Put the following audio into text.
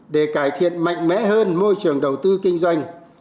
để cải thiện mạnh mẽ hơn môi trường đầu tư kinh doanh